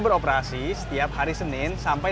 beroperasi setiap hari senin sampai